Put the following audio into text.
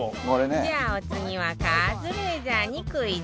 じゃあお次はカズレーザーにクイズ